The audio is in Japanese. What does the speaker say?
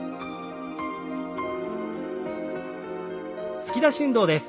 突き出し運動です。